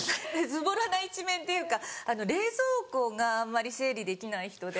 ズボラな一面っていうかあの冷蔵庫があんまり整理できない人で。